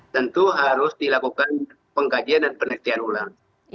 tentu harus dilakukan pengkajian dan penelitian ulang